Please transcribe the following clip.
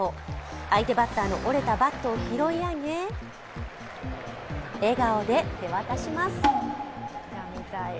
相手バッターの折れたバットを拾い上げ、笑顔で手渡します。